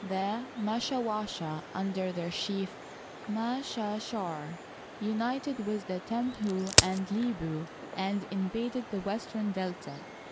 The Mashawasha, under their chief Mdshashar, united with the Temhu and Lebut and invaded the western Delta.